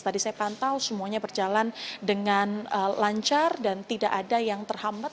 tadi saya pantau semuanya berjalan dengan lancar dan tidak ada yang terhambat